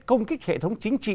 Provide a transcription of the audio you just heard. công kích hệ thống chính trị